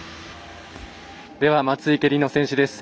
松生理乃選手です。